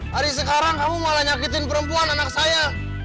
hari sekarang kamu malah nyakitin perempuan anak saya